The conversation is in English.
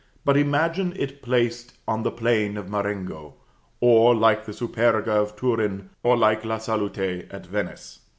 But imagine it placed on the plain of Marengo, or, like the Superga of Turin, or like La Salute at Venice!